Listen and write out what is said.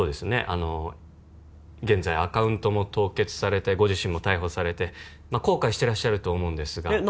あの現在アカウントも凍結されてご自身も逮捕されてま後悔してらっしゃると思うんですがえ